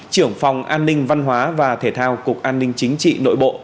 trưởng phòng an ninh văn hóa và thể thao cục an ninh chính trị nội bộ